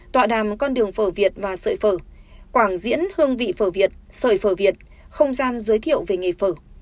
tọa đàm con đường phở việt và sợi phở quảng diễn hương vị phở việt sợi phở việt không gian giới thiệu về nghề phở